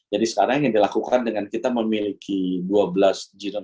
jadi sekarang yang dilakukan dengan kita memiliki dua belas jiron